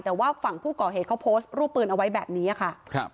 แต่ว่าฝั่งผู้ก่อเหตุเขาโพสต์รูปปืนเอาไว้แบบนี้ค่ะ